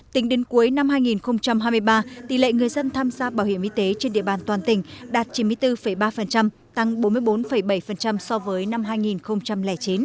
tính đến cuối năm hai nghìn hai mươi ba tỷ lệ người dân tham gia bảo hiểm y tế trên địa bàn toàn tỉnh đạt chín mươi bốn ba tăng bốn mươi bốn bảy so với năm hai nghìn chín